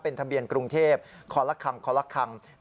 เป็นทะเบียนกรุงเทพคค๓๗๕๒